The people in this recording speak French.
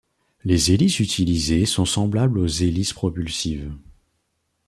Les hélices utilisées sont semblables aux hélices propulsives.